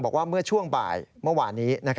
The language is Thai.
บอกว่าเมื่อช่วงบ่ายเมื่อวานนี้